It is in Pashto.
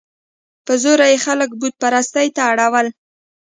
په زوره یې خلک بت پرستۍ ته اړول.